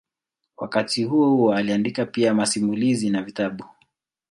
Wakati huohuo aliandika pia masimulizi na vitabu.